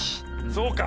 そうか。